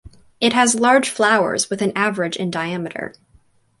It has large flowers with an average in diameter.